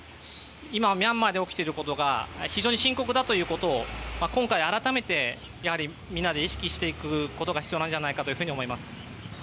今ミャンマーで起きていることが非常に深刻だということを今回、改めてみんなで意識していくことが必要なんじゃないかと思います。